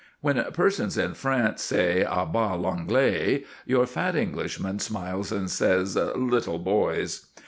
When persons in France say, "À bas l'Anglais," your fat Englishman smiles, and says, "Little boys!"